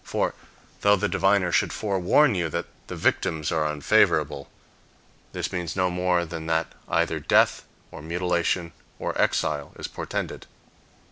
For, though the diviner should forewarn you that the victims are unfavorable, this means no more than that either death or mutilation or exile is portended.